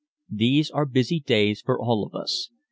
These are busy days for all of us.